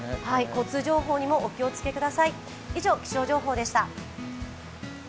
交通情報にもお気をつけください。